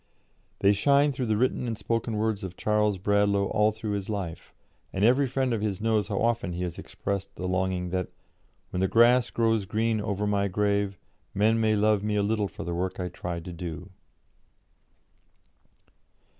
They shine through the written and spoken words of Charles Bradlaugh all through his life, and every friend of his knows how often he has expressed the longing that "when the grass grows green over my grave, men may love me a little for the work I tried to do."